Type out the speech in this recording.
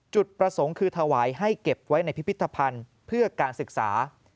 จุดประสงค์คือถวายให้เก็บไว้ในพิพิธภัณฑ์เพื่อการศึกษา